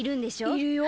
いるよ。